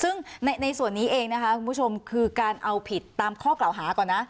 ซึ่งในส่วนนี้เองนะคะคุณผู้ชมคือการเอาผิดตามข้อกล่าวหาก่อนนะ